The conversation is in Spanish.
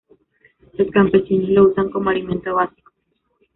Los campesinos lo usan como alimento básico.